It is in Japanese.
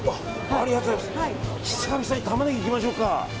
久々にタマネギいきましょうか。